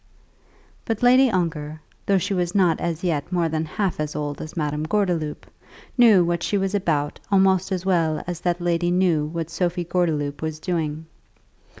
But Lady Ongar, though she was not as yet more than half as old as Madame Gordeloup, knew what she was about almost as well as that lady knew what Sophie Gordeloup was doing.